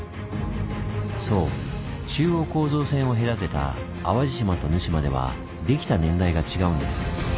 そう中央構造線を隔てた淡路島と沼島ではできた年代が違うんです。